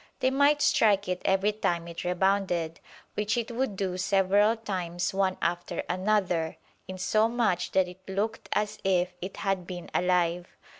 They might strike it every time it rebounded, which it would do several times one after another, in so much that it look'd as if it had been alive.